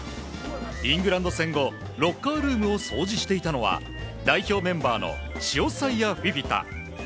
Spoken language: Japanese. イングランド戦後、ロッカールームを掃除していたのは、代表メンバーのシオサイア・フィフィタ。